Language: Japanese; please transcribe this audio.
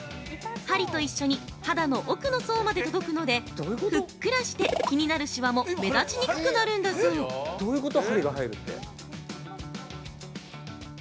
針をと一緒に肌の奥の層まで届くので、ふっくらして気になるシワも目立ちにくくなるんだそう。